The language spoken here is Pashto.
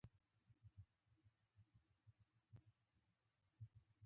ملت د تحول په ارمان خپل رسالت اداء کړ.